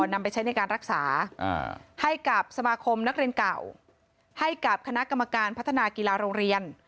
นำไปใช้ในการรักษาให้กับสมาคมนักเรียนเก่าให้กับคณะกรรมการพัฒนากีฬาโรงเรียน